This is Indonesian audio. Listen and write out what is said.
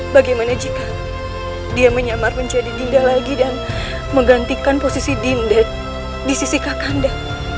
bagaimana jika dia menyamar menjadi dinda lagi dan menggantikan posisi dinda di sisi kaki anda